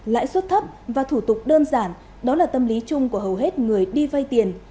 lãi suất thấp và thủ tục đơn giản đó là tâm lý chung của hầu hết người đi vay tiền